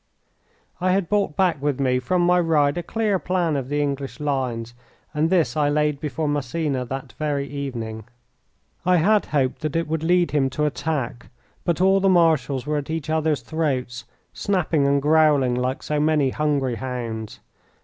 I had brought back with me from my ride a clear plan of the English lines, and this I laid before Massena that very evening. I had hoped that it would lead him to attack, but all the marshals were at each other's throats, snapping and growling like so many hungry hounds.